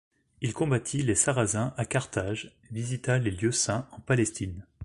Il combattit les Sarrasins à Carthage, visita les lieux saints en Palestine.